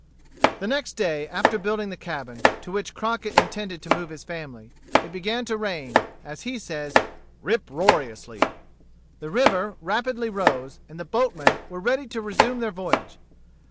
The next day after building the cabin, to which Crockett intended to move his family, it began to rain, as he says, "rip roariously." The river rapidly rose, and the boatmen were ready to resume their voyage.